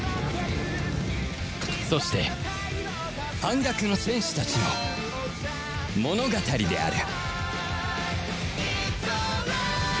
そして反逆の戦士たちの物語である